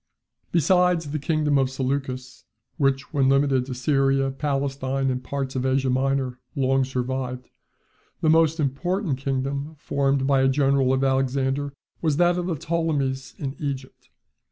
Besides the kingdom of Seleucus, which, when limited to Syria, Palestine, and parts of Asia Minor, long survived; the most important kingdom formed by a general of Alexander was that of the Ptolemies in Egypt.